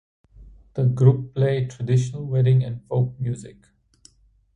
The group play traditional wedding and folk music.